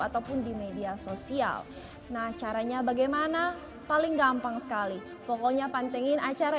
ataupun di media sosial nah caranya bagaimana paling gampang sekali pokoknya pantengin acara